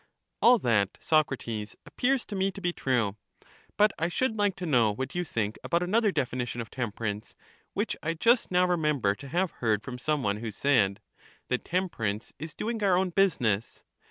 All that, Socrates, appears to me to be true; but I should like to know what you think about another definition of temperance, which I just now remem ber to have heard from some one, who said, " That temperance is doing our own business."